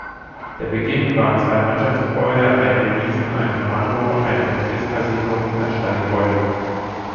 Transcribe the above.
Der Beginn waren zwei Mannschaftsgebäude, ein Remisen-, ein Kommando-, ein Offizierskasino- und ein Stallgebäude.